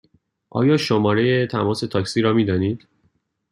آیا شماره تماس تاکسی را می دانید؟